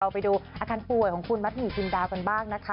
ไปดูอาการป่วยของคุณมัดหมี่จินดากันบ้างนะคะ